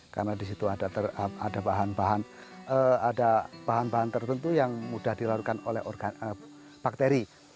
karena di situ ada bahan bahan tertentu yang mudah dilakukan oleh bakteri